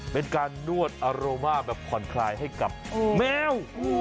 เป็นการนวดอาโรมาแบบผ่อนคลายให้กับแมว